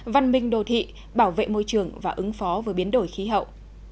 văn minh đô thị bảo vệ môi trường và ứng phó với biến đổi khí hậu